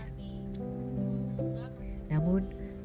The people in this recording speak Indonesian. namun mbah mujana tidak bisa berhenti